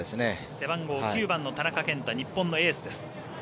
背番号９番の田中健太、日本のエースです。